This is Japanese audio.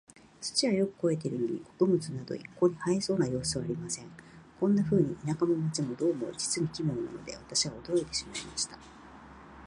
土はよく肥えているのに、穀物など一向に生えそうな様子はありません。こんなふうに、田舎も街も、どうも実に奇妙なので、私は驚いてしまいました。